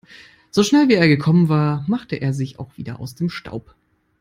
So schnell, wie er gekommen war, machte er sich auch wieder aus dem Staub.